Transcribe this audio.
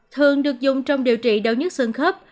thường được dùng trong điều trị đau nhất xương khớp